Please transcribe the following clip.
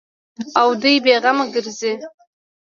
او دوى بې غمه گرځي.